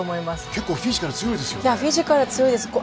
結構フィジカル強いですよね。